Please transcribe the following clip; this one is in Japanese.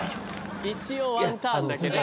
一応ワンターンだけね。